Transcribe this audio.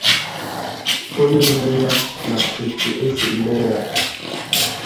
onye mere ya na etu e siri mee ya